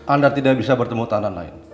anda tidak bisa bertemu tahanan lain